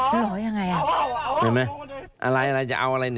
เห็นไหมอะไรอะไรจะเอาอะไร